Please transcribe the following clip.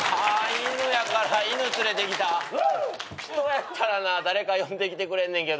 人やったらな誰か呼んできてくれんねんけど。